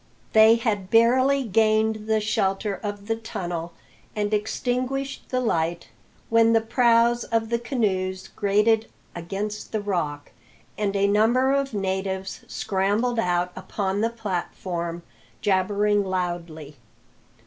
They had barely gained the shelter of the tunnel and extinguished the light, when the prows of the canoes grated against the rock, and a number of natives scrambled out upon the platform, jabbering loudly.